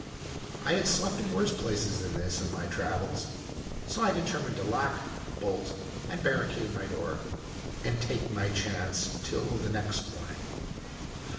I had slept in worse places than this on my travels; so I determined to lock, bolt, and barricade my door, and take my chance till the next morning.